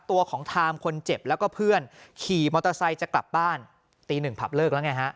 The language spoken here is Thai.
ตัวของทามคนเจ็บแล้วก็เพื่อนขี่มอเตอร์ไซค์จะกลับบ้านตีหนึ่งผับเลิกแล้วไงฮะ